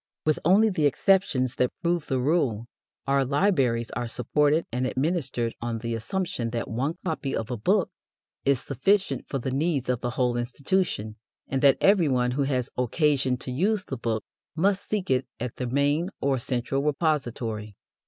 With only the exceptions that prove the rule, our libraries are supported and administered on the assumption that one copy of a book is sufficient for the needs of the whole institution, and that every one who has occasion to use the book must seek it at the main or central repository.